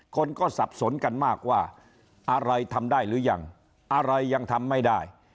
คนก็สับสนกันมากว่าอะไรทำได้หรือยังอะไรยังทำไม่ได้